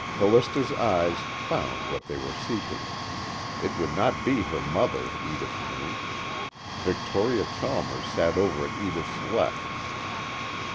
Callista's eyes found what they were seeking. It would not be her mother, Edith knew: Victoria Chalmers sat over at Edith's left.